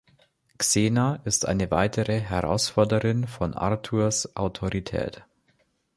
Xena ist eine weitere Herausforderin von Arthurs Autorität.